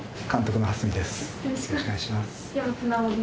よろしくお願いします